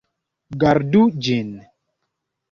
Gardu ĝin.